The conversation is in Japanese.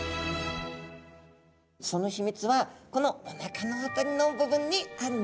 その秘密はこのおなかの辺りの部分にあるんです。